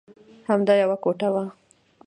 همدا یوه کوټه وه.